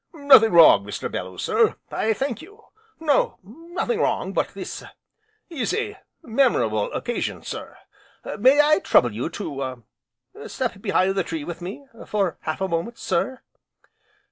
"Nothing wrong, Mr. Bellew, sir I thank you. No, nothing wrong, but this is a memorable occasion, sir. May I trouble you to step behind the tree with me for half a moment, sir?"